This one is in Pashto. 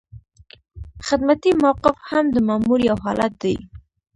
خدمتي موقف هم د مامور یو حالت دی.